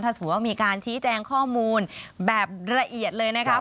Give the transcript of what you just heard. สมมุติว่ามีการชี้แจงข้อมูลแบบละเอียดเลยนะครับ